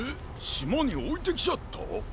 しまにおいてきちゃった？